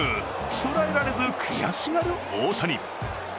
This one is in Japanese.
捉えられず悔しがる大谷。